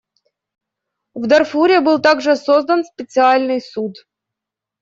В Дарфуре был также создан специальный суд.